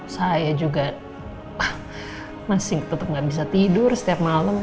saya juga masih tetap nggak bisa tidur setiap malam